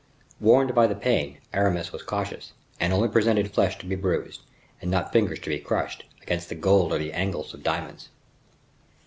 Warned by the pain, Aramis was cautious, and only presented flesh to be bruised, and not fingers to be crushed, against the gold or the angles of diamonds.